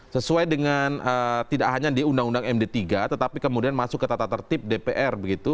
sesuai dengan tidak hanya di undang undang md tiga tetapi kemudian masuk ke tata tertib dpr begitu